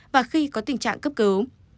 và khi có tình trạng cấp cứu